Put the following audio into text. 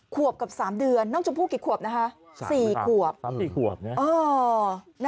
ควบกับสามเดือนน้องชมพูกี่ควบนะคะสี่ควบสามสี่ควบน่ะ